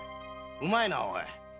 うまいなぁおい。